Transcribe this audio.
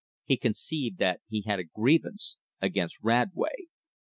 He conceived that he had a grievance against Radway!